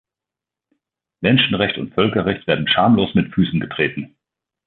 Menschenrechte und Völkerrecht werden schamlos mit Füßen getreten.